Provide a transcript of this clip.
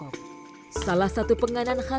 sehingga mereka dapat memiliki makanan yang lebih baik